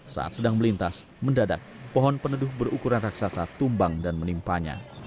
saat sedang melintas mendadak pohon peneduh berukuran raksasa tumbang dan menimpanya